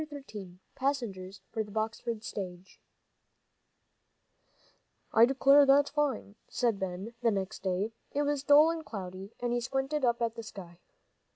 XIII PASSENGERS FOR THE BOXFORD STAGE "I declare, that's fine!" said Ben, the next day. It was dull and cloudy, and he squinted up at the sky.